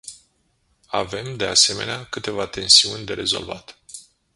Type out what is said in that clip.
Avem, de asemenea, câteva tensiuni de rezolvat.